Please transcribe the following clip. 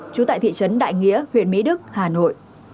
trú tại thị trấn đại nghĩa huyện mỹ đức hà nội